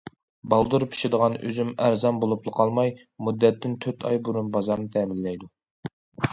بالدۇر پىشىدىغان ئۈزۈم ئەرزان بولۇپلا قالماي، مۇددەتتىن تۆت ئاي بۇرۇن بازارنى تەمىنلەيدۇ.